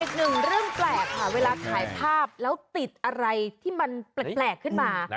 อีกหนึ่งเรื่องแปลกค่ะเวลาถ่ายภาพแล้วติดอะไรที่มันแปลกขึ้นมา